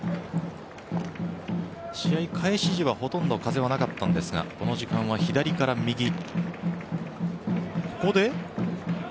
試合開始時はほとんど風はなかったんですがこの時間は左から右。